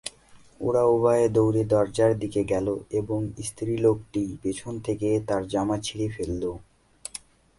ওরা উভয়ে দৌড়ে দরজার দিকে গেল এবং স্ত্রীলোকটি পেছন থেকে তার জামা ছিড়ে ফেলল।